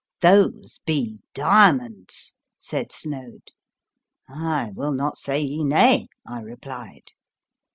44 Those be diamonds," said Snoad. 44 I will not say ye nay," I replied.